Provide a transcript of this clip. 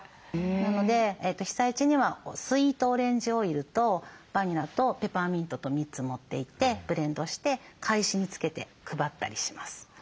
なので被災地にはスイートオレンジオイルとバニラとペパーミントと３つ持っていってブレンドして懐紙に付けて配ったりします。